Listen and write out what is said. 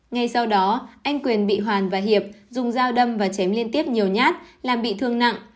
ngay sau đó anh quyền bị hoàn và hiệp dùng dao đâm và chém liên tiếp nhiều nhát làm bị thương nặng